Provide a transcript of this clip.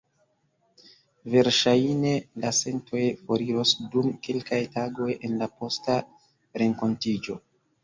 Verŝajne la sentoj foriros dum kelkaj tagoj en la posta renkontiĝo.